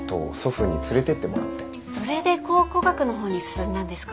それで考古学のほうに進んだんですか？